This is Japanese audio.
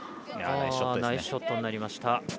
ナイスショットになりました。